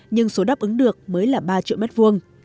nhưng số đáp ứng được mới là ba triệu m hai